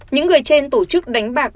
những người trên tổ chức đánh bạc